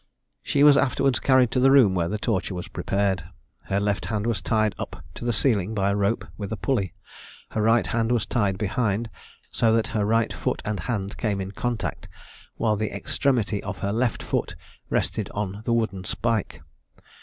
She was afterwards carried to the room where the torture was prepared. Her left hand was tied up to the ceiling by a rope, with a pulley; her right hand was tied behind, so that her right foot and hand came in contact, while the extremity of her left foot rested on the wooden spike.